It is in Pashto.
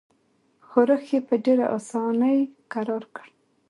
ښورښ یې په ډېره اساني کرار کړ.